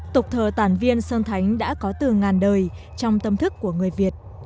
tục thờ tản viên sơn thánh đã có từ ngàn đời trong tâm thức của người việt